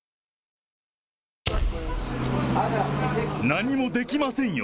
何もできませんよ。